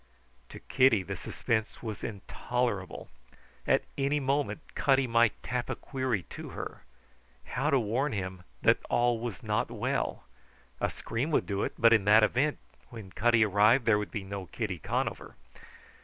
To Kitty the suspense was intolerable. At any moment Cutty might tap a query to her. How to warn him that all was not well? A scream would do it; but in that event when Cutty arrived there would be no Kitty Conover.